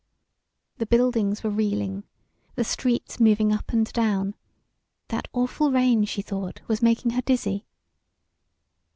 The buildings were reeling, the streets moving up and down that awful rain, she thought, was making her dizzy.